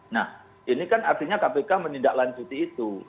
nah ini kan artinya kpk menindaklanjuti itu